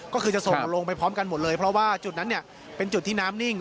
ก็คือจะส่งลงไปพร้อมกันหมดเลยเพราะว่าจุดนั้นเนี่ยเป็นจุดที่น้ำนิ่ง